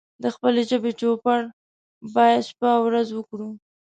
د خپلې ژبې چوپړ بايد شپه او ورځ وکړو